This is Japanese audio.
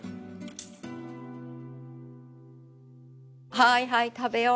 はいはい食べよう。